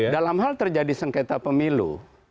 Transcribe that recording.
dalam hal terjadi sengketa pemilu